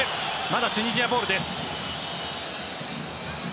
まだチュニジアボールです。